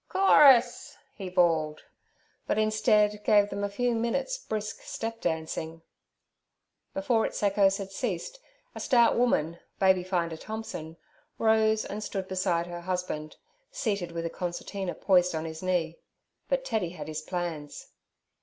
'Chorus' he bawled, but instead gave them a few minutes' brisk step dancing. Before its echoes had ceased, a stout woman, Babyfinder Thompson, rose and stood beside her husband, seated with a concertina poised on his knee. But Teddy had his plans.